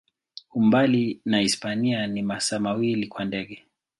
Umbali na Hispania ni masaa mawili kwa ndege.